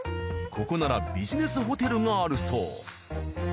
ここならビジネスホテルがあるそう。